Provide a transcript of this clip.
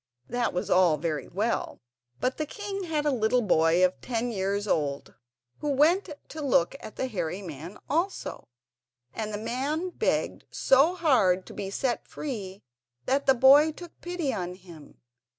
That was all very well; but the king had a little boy of ten years old who went to look at the hairy man also, and the man begged so hard to be set free that the boy took pity on him.